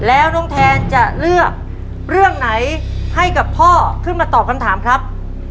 แล้วน้องแทนจะเลือกเรื่องไหนให้กับพ่อขึ้นมาตอบคำถามครับ